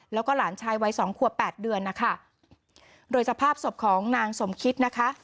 แล้วก็หลานชายวัยสองขวบแปดเดือนนะคะโดยสภาพศพของนางสมคิดนะคะ